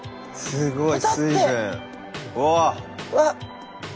すごい！